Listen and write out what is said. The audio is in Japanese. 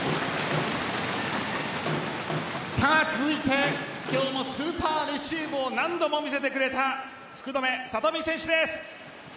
続いて今日もスーパーレシーブを何度も見せてくれた福留慧美選手です。